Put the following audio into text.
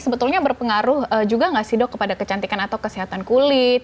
sebetulnya berpengaruh juga nggak sih dok kepada kecantikan atau kesehatan kulit